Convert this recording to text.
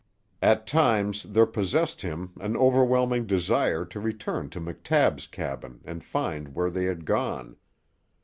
At times there possessed him an overwhelming desire to return to McTabb's cabin and find where they had gone.